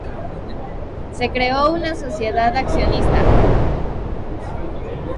Se creó una sociedad accionista.